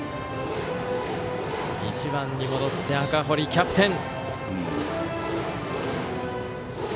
１番に戻って赤堀、キャプテン。